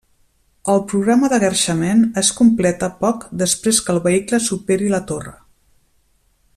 El programa de guerxament es completa poc després que el vehicle superi la torre.